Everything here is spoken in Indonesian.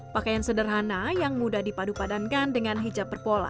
pakaian sederhana yang mudah dipadu padankan dengan hijab berpola